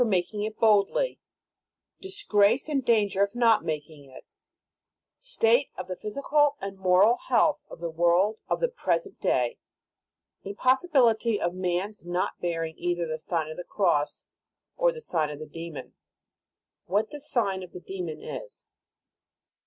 MAKING IT BOLDLY DISGRACE AND DANGER OF NOT MAKING IT STATE OF THE PHYSICAL AND MORAL HEALTH OF THE WORLD OF THE PRESENT DAY IMPOSSIBILITY OF MAN S NOT BEARING EITHER THE SIGN OF GOD, OE THE SIGN OF THE DEMON WHAT THE SIGN OF THE DEMON 13.